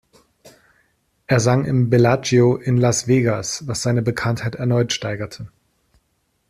Er sang im "Bellagio" in Las Vegas, was seine Bekanntheit erneut steigerte.